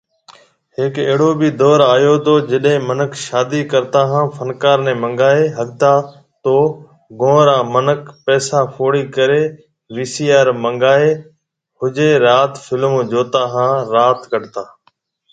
هيڪ اهڙو بِي دئور آيو تو جڏي منک شادي ڪرتا هان فنڪار ني منگائي ۿگتا تو گون را منک پئسا فوڙي ڪري وي سي آر منگائي ۿجي رات فلمون جوتا هان رات ڪٽتا۔